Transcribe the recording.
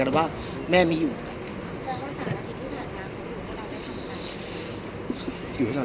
พี่อัดมาสองวันไม่มีใครรู้หรอก